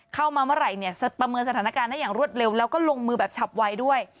เข้ามาเมื่อไหร่เนี่ยประเมินสถานการณ์ได้อย่างรวดเร็วแล้วก็ลงมือแบบฉับไวด้วย